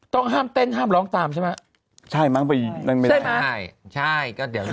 ต้องห้ามเต้นห้ามร้องตามใช่ไหมใช่มั้งไปนั่นไม่ได้ใช่ใช่ก็เดี๋ยวนะ